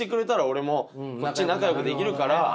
俺もこっち仲よくできるから。